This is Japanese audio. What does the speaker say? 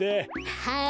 はい。